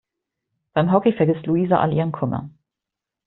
Beim Hockey vergisst Luisa all ihren Kummer.